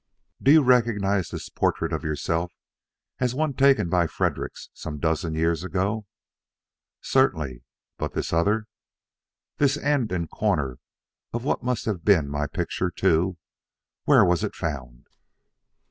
"Do you recognize this portrait of yourself as one taken by Fredericks some dozen years ago?" "Certainly. But this other? This end and corner of what must have been my picture too, where was it found?"